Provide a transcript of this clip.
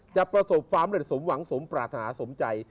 จะประสบฟ้าไม่ได้สมหวังสมปราธาสมใจ